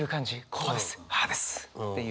こうですああですっていう。